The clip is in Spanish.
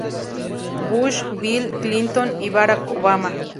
Bush, Bill Clinton, y Barack Obama.